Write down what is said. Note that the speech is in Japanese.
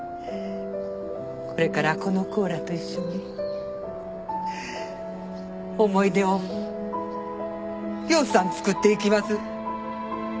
これからこの子らと一緒に思い出をようさんつくっていきます。